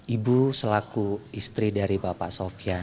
ibu selaku istri dari bapak sofian